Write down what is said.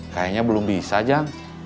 kayaknya belum bisa jang